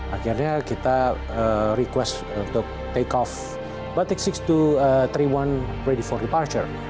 akhirnya kita request untuk take off batik enam ribu dua ratus tiga puluh satu ready for departure